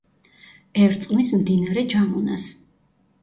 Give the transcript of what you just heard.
ერწყმის მდინარე ჯამუნას.